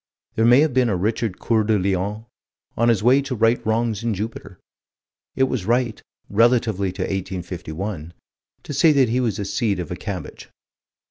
There may have been a Richard Coeur de Lion, on his way to right wrongs in Jupiter. It was right, relatively to 1851, to say that he was a seed of a cabbage.